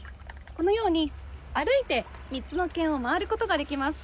このように歩いて３つの県を回ることができます。